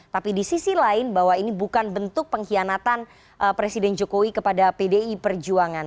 tapi di sisi lain bahwa ini bukan bentuk pengkhianatan presiden jokowi kepada pdi perjuangan